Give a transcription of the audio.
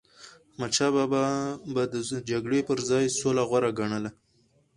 احمدشاه بابا به د جګړی پر ځای سوله غوره ګڼله.